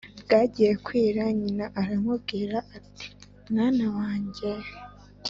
bwagiye kwira, nyina aramubwira, ati «mwana wanjye